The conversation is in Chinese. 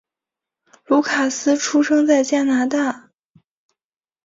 卢卡斯出生在加拿大。